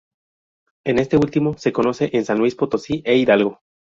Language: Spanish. En este último se conoce en San Luis Potosí e Hidalgo.